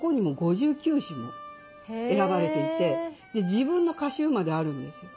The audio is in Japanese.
自分の歌集まであるんですよ。